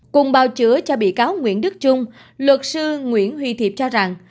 cùng bào chữa cho bị cáo nguyễn đức trung luật sư nguyễn huy thiệp cho rằng